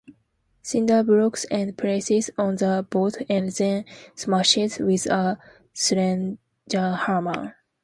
Cinder blocks are placed on the board and then smashed with a sledgehammer.